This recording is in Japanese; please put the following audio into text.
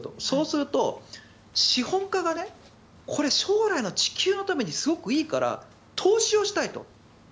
そうすると資本家がこれ、将来の地球のためにすごくいいから投資をしたいと。